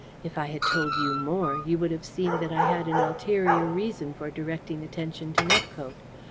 If I had told you more you would have seen that I had an ulterior reason for directing attention to Nepcote.